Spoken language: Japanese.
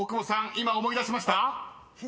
今思い出しました？］